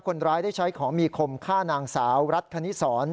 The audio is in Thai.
คนร้ายได้ใช้ของมีคมฆ่านางสาวรัฐคณิสร